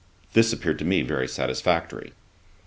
This appeared to me very satisfactory.